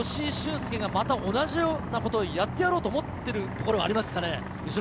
恭が同じようなことをやってやろうと思っているところがありますか？